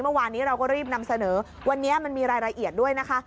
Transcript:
เมื่อวานนี้เราก็รีบนำเสนอวันนี้มันมีรายละเอียดด้วยนะคะ